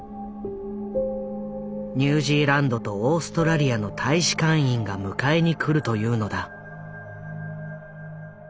ニュージーランドとオーストラリアの大使館員が迎えに来るというのだ。